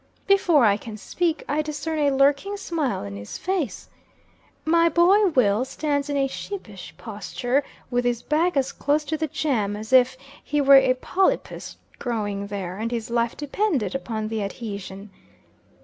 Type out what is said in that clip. Before I can speak, I discern a lurking smile in his face. My boy Will stands in a sheepish posture, with his back as close to the jam, as if he were a polypus growing there, and his life depended upon the adhesion.